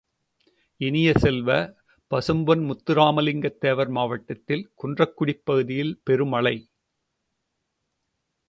இனிய செல்வ, பசும்பொன் முத்துராமலிங்கத் தேவர் மாவட்டத்தில் குன்றக்குடிப் பகுதியில் பெருமழை!